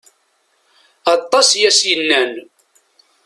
Atas i as-yennan.